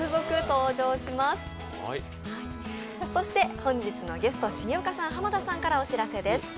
本日のゲスト、重岡さん、濱田さんからお知らせです。